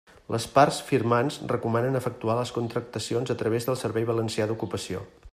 Les parts firmants recomanen efectuar les contractacions a través del Servei Valencià d'Ocupació.